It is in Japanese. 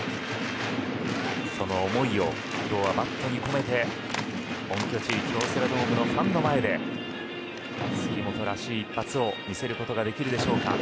その思いを今日はバットに込めて本拠地京セラドームのファンの前で杉本らしい一発を見せることができるでしょうか。